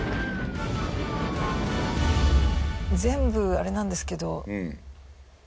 全部あれなんですけど。